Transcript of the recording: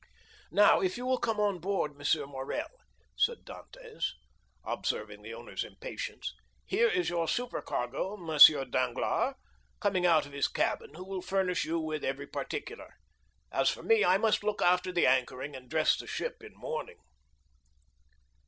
"Now, if you will come on board, M. Morrel," said Dantès, observing the owner's impatience, "here is your supercargo, M. Danglars, coming out of his cabin, who will furnish you with every particular. As for me, I must look after the anchoring, and dress the ship in mourning."